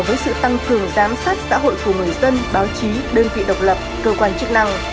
với sự tăng cường giám sát xã hội của người dân báo chí đơn vị độc lập cơ quan chức năng